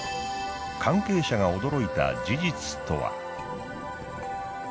関係者が驚いた事実とは？